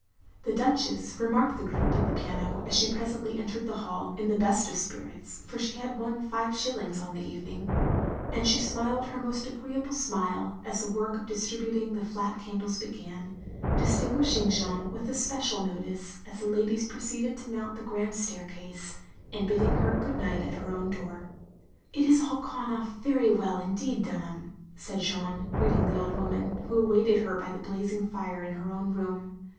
" The Duchess remarked the group at the piano, as she presently entered the hall, (in the best of spirits, for she had won five shillings on the evening) and she smiled her most agreeable smile, as the work of distributing the flat candles began, distinguishing Jeanne with especial notice as the ladies proceeded to mount the grand staircase; and bidding her good night at her own door. " It has all gone off very well, indeed, Dunham, " said Jeanne, greeting the old woman, who awaited her by the blazing fire in her own room.